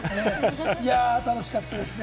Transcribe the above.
楽しかったですね。